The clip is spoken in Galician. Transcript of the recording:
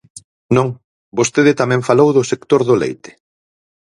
Non, vostede tamén falou do sector do leite.